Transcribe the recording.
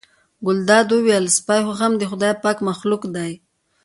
ګلداد وویل سپی خو هم د خدای پاک مخلوق دی.